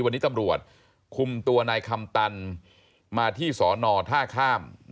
วันนี้ตำรวจคุมตัวนายคำตันมาที่สอนอท่าข้าม